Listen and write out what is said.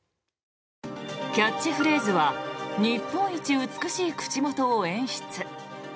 キャッチフレーズは「日本一美しい口元を演出」。